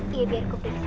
dia berkubur kecil ya